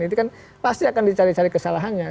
itu kan pasti akan dicari cari kesalahannya